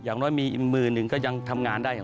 อย่างน้อยมีอีกมือหนึ่งก็ยังทำงานได้